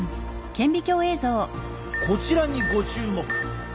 こちらにご注目！